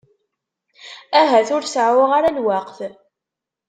Ahat ur seεεuɣ ara lweqt.